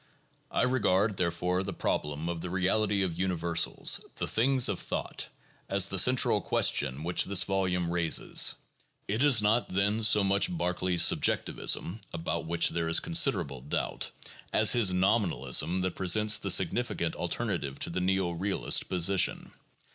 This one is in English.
I regard, there fore, the problem of the reality of universals, "the things of thought, '' as the central question which this volume raises. It is not, then, so much Berkeley's subjectivism (about which there is consid erable doubt) as his nominalism that presents the significant alter native to the neo realist position.